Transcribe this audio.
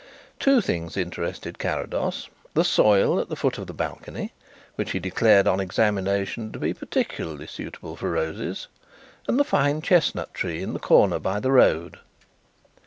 Two things interested Carrados: the soil at the foot of the balcony, which he declared on examination to be particularly suitable for roses, and the fine chestnut tree in the corner by the road.